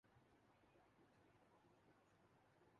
زلف ایاز میں۔